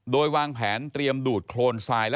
โดยวางแผนเตรียมดูดโครนทราย